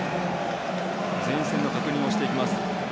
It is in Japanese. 前線の確認をしていきます。